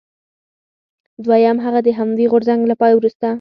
دویم هغه د همدې غورځنګ له پای وروسته.